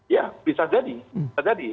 ya bisa jadi